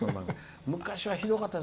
昔はひどかった。